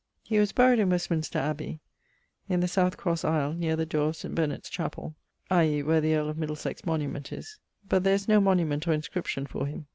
He was buried in Westminster Abbey, in the south crosse aisle neer the dore of St. Benet's Chapell, i.e. where the earl of Middlesex monument is, but there is no monument or inscription for him.